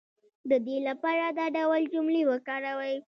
د دې لپاره دا ډول جملې وکاروئ